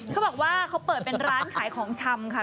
เขาบอกว่าเขาเปิดเป็นร้านขายของชำค่ะ